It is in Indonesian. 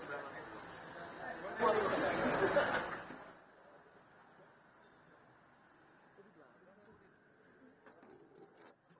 nanti kita ketemu di mk ya